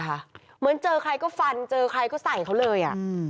เหมือนเจอใครก็ฟันเจอใครก็ใส่เขาเลย